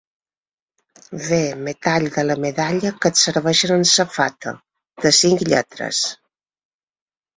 V Metall de la medalla que et serveixen en safata, de cinc lletres.